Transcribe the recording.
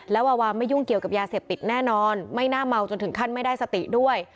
แล้ววาวาไม่ยุ่งเกี่ยวกับยาเสพติดแน่นอนไม่น่าเมาจนถึงขั้นไม่ได้สติด้วย